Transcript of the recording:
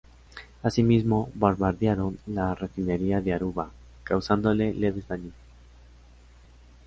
Así mismo bombardearon la refinería de Aruba, causándole leves daños.